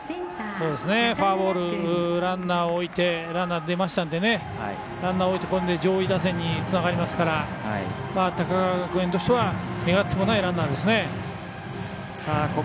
フォアボールランナー、出ましたのでランナー置いて、上位打線につながりますから高川学園としては願ってもないランナーですね。